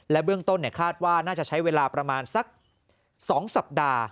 เบื้องต้นคาดว่าน่าจะใช้เวลาประมาณสัก๒สัปดาห์